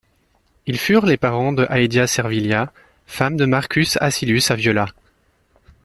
Ils furent les parents de Aedia Servilia, femme de Marcus Acilius Aviola.